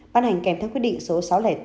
ban hành kèm theo quyết định số sáu trăm linh bốn